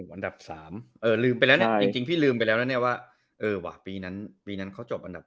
อันดับ๓เออลืมไปแล้วเนี่ยจริงพี่ลืมไปแล้วนะเนี่ยว่าเออว่ะปีนั้นปีนั้นเขาจบอันดับ